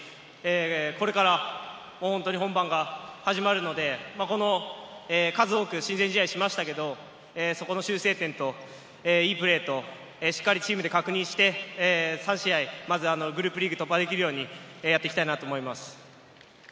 これから本番が始まるので、数多く親善試合をしましたけれど、修正点といいプレーとしっかりチームで確認して、３試合、まずグループリーグを突破できるようにやっていきたいと思います。